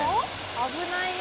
危ないよ。